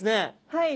はい。